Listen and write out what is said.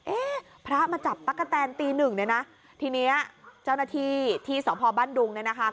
เอ๊ะพระมาจับตั๊กกะแตนตีหนึ่งเนี่ยนะทีเนี้ยเจ้าหน้าที่ที่สพบ้านดุงเนี่ยนะคะ